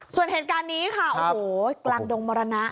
ส่วนเหตุการณ์นี้ค่ะโอ้โหกลางดงมรณะ